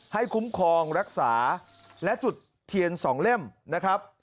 คุ้มครองรักษาและจุดเทียน๒เล่มนะครับ